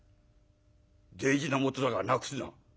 『大事な元だからなくすな』。